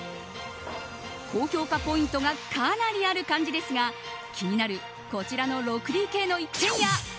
高評価ポイントがかなりある感じですが気になるこちらの６ＤＫの一軒家